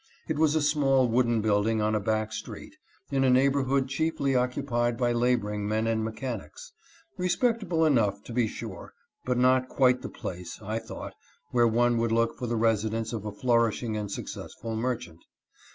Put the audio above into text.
It was a small wooden building on a back street, in a neighborhood chiefly occupied by laboring men and mechanics ; respect able enough, to be sure, but not quite the place, I thought, where one would look for the residence of a flourishing and successful merchant.